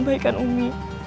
saya diabaikan umi